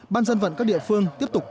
ban dân vận các địa phương tiếp tục quản lý